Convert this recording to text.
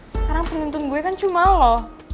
sekarang penuntun gue kan cuma lo